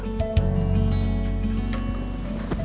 sama sekali belum pa